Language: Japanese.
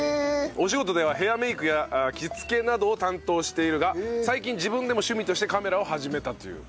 お仕事ではヘアメイクや着付けなどを担当しているが最近自分でも趣味としてカメラを始めたという。